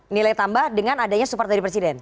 nilai tambah dengan adanya supertari presiden